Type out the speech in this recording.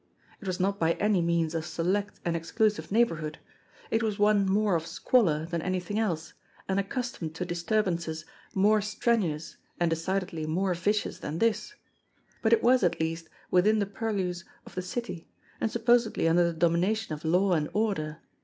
It was not by any means a select and exclusive neighbourhood ; it was one more of squalor than anything else and accustomed to disturbances more strenu ous and decidedly more vicious than this, but it was at least within the purlieus of the city and supposedly under the domination of law and order.